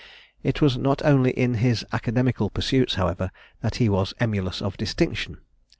It was not only in his academical pursuits, however, that he was emulous of distinction.